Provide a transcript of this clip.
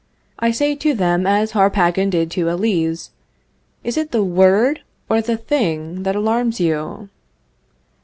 I say to them as Harpagon did to Elise, Is it the word or the thing that alarms you?